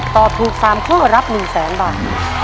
ตอบถูก๓ข้อรับ๑๐๐๐๐๐บาท